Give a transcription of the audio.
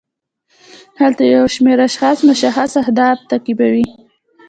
هلته یو شمیر اشخاص مشخص اهداف تعقیبوي.